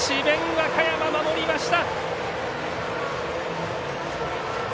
和歌山、守りました。